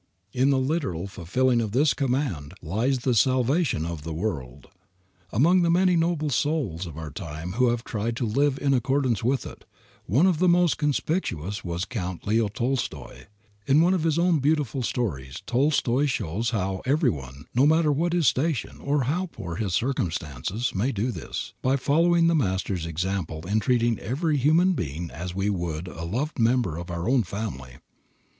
In the literal fulfilling of this commandment lies the salvation of the world. Among the many noble souls of our own time who have tried to live in accordance with it, one of the most conspicuous was Count Leo Tolstoy. In one of his own beautiful stories Tolstoy shows how every one, no matter what his station or how poor his circumstances, may do this, by following the Master's example in treating every human being as we would a loved member of our own family.